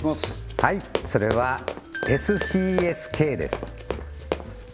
はいそれはＳＣＳＫ？